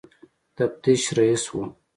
تفتیش رییس وو.